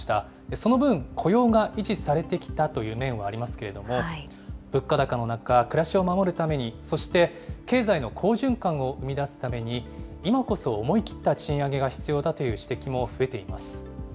その分、雇用が維持されてきたという面はありますけれども、物価高の中、暮らしを守るために、そして経済の好循環を生み出すために、今こそ思い切った賃上げが必要だという指摘も増えています。